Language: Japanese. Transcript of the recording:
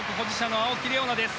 青木玲緒樹です。